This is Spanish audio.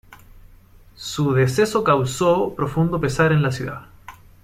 Su deceso causó profundo pesar en la ciudad.